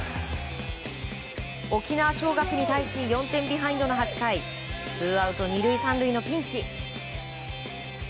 沖縄尚学に対し４点ビハインドの８回ツーアウト２塁３塁のピンチ。